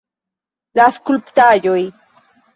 La skulptaĵoj!